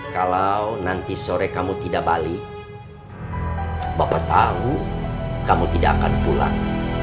kalau nanti sore kamu tidak balik bapak tahu kamu tidak akan pulang